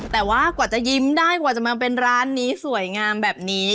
แต่ว่ากว่าจะยิ้มได้กว่าจะมาเป็นร้านนี้สวยงามแบบนี้